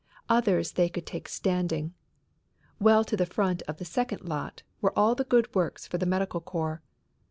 Others they could take standing. Well to the front of the second lot were all the good words for the medical corps.